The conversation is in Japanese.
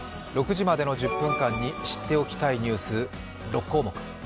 ６時までの１０分間に知っておきたいニュース、６項目。